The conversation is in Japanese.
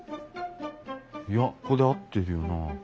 いやここで合ってるよな。